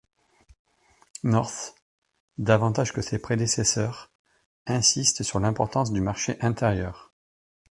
North, davantage que ses prédécesseurs, insiste sur l’importance du marché intérieur.